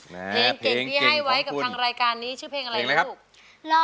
เพลงเก่งที่ให้ไว้กับทางรายการนี้ชื่อเพลงอะไรลูก